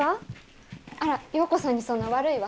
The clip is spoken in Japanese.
あら葉子さんにそんな悪いわ。